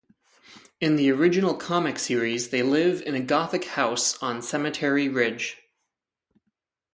In the original comics series they live in a gothic house on Cemetery Ridge.